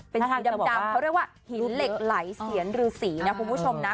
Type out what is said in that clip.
เป็นสีดำเขาเรียกว่าหินเหล็กไหลเสียนรือสีนะคุณผู้ชมนะ